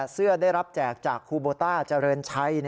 เสื้อได้รับแจกจากครูโบต้าเจริญชัย